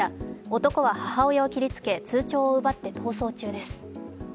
男は母親を切りつけ、通帳を奪って逃走中です。